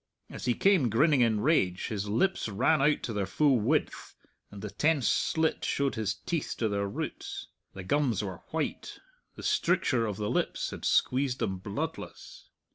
As he came grinning in rage his lips ran out to their full width, and the tense slit showed his teeth to their roots. The gums were white. The stricture of the lips had squeezed them bloodless.